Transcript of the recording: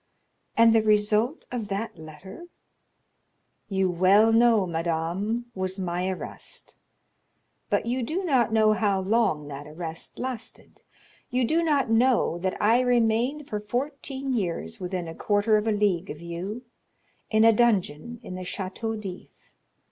"And the result of that letter——" "You well know, madame, was my arrest; but you do not know how long that arrest lasted. You do not know that I remained for fourteen years within a quarter of a league of you, in a dungeon in the Château d'If.